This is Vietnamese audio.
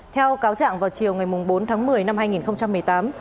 theo cáo trạng vào chiều ngày bốn tháng một mươi năm hai nghìn một mươi tám